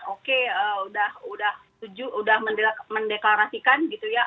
oke udah mendeklarasikan gitu ya